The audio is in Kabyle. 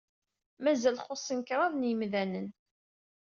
Mazal xuṣṣen kraḍ n yemdanen.